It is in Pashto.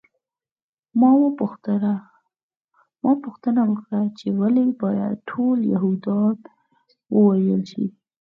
ما پوښتنه وکړه چې ولې باید ټول یهودان ووژل شي